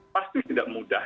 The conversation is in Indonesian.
pasti tidak mudah